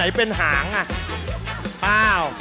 อ่าหากับผิดตาม